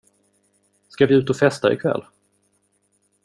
Ska vi ut och festa ikväll?